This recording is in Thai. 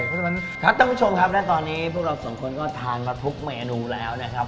เพราะฉะนั้นครับท่านผู้ชมครับและตอนนี้พวกเราสองคนก็ทานมาทุกเมนูแล้วนะครับ